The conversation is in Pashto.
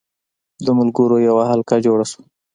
د ملګرو یوه حلقه جوړه شوه.